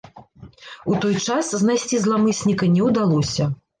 У той час знайсці зламысніка не ўдалося.